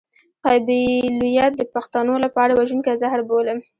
قبيلويت د پښتنو لپاره وژونکی زهر بولم.